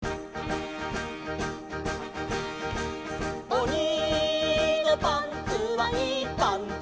「おにのパンツはいいパンツ」